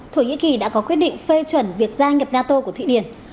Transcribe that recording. thủy nghĩ kỳ đã có quyết định phê chuẩn việc gia nhập nato của thụy điển